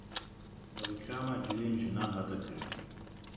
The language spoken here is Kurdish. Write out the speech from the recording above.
Rîklama cilên jinan hat kirin